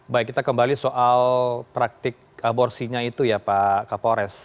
baik kita kembali soal praktik aborsinya itu ya pak kapolres